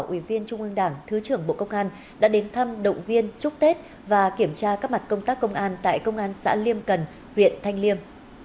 ủy viên trung ương đảng thứ trưởng bộ công an đã đến thăm động viên chúc tết và kiểm tra các mặt công tác công an tại công an xã liêm cần huyện thanh liêm